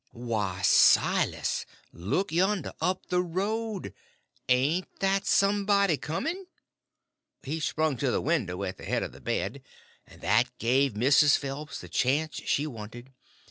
"Why, Silas! Look yonder!—up the road!—ain't that somebody coming?" He sprung to the window at the head of the bed, and that give Mrs. Phelps the chance she wanted.